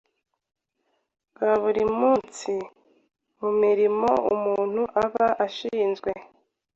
bwa buri munsi mu mirimo umuntu aba ashinzwe,